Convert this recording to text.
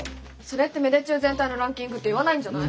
それって芽出中全体のランキングっていわないんじゃない？